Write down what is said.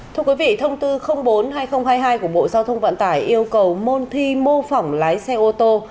thưa quý vị thông tư bốn hai nghìn hai mươi hai của bộ giao thông vận tải yêu cầu môn thi mô phỏng lái xe ô tô